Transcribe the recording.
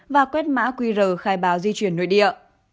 và quét mã qr khai báo di chuyển nội địa